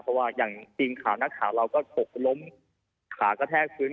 เพราะว่าอย่างทีมข่าวนักข่าวเราก็ตกล้มขากระแทกพื้น